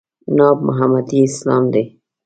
ناب محمدي اسلام دی.